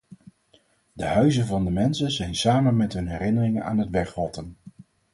De huizen van de mensen zijn samen met hun herinneringen aan het wegrotten.